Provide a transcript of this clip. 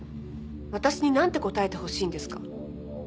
私になんて答えてほしいんですか？